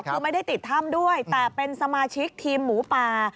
คือไม่ได้ติดถ้ำด้วยแต่เป็นสมาชิกทีมหมูป่า